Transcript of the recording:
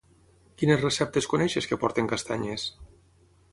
Quines receptes coneixes que portin castanyes?